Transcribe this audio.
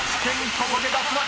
ここで脱落］